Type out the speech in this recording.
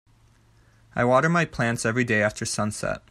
I water my plants everyday after sunset.